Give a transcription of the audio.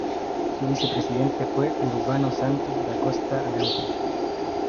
Su vicepresidente fue Urbano Santos da Costa Araújo.